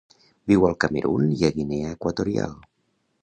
Viu al Camerun i a Guinea Equatorial.